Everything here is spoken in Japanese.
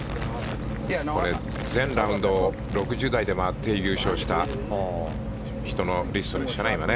全ラウンド６０台で回って優勝したリストでしたね。